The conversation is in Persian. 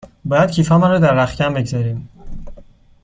باید کیف هامان را در رختکن بگذاریم.